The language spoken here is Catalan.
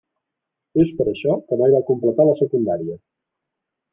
És per això que mai va completar la secundària.